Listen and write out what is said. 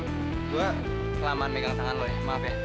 oh maaf maaf gua lamaan megang tangan lu ya maaf ya